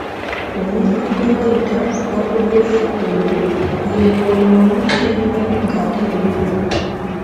Omuntu gwe bayita Bakubyefukundu ye oyo omumpi ennyo ng’ate munene.